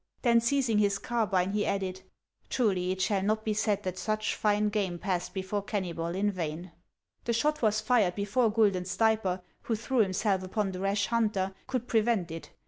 Then, seizing his carbine, he added, " Truly, it shall not be said that such fine game passed before Kennybol in vain." The shot was fired before Guidon Stayper, who threw himself upon the rash hunter, could prevent it.